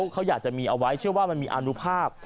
เขาอยากจะมีเอาไว้เชื่อว่ามันมีอนุภาพ